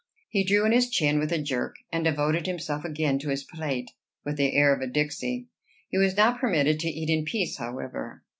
He drew in his chin with a jerk, and devoted himself again to his plate, with the air of a "Dixi." He was not permitted to eat in peace, however.